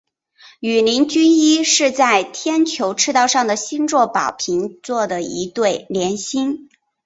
羽林军一是在天球赤道上的星座宝瓶座的一对联星。